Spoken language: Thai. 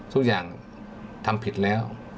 ทุกอย่างทำผิดแล้ว